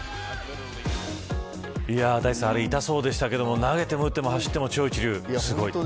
痛そうでしたけども投げても打っても走っても超一流、すごい。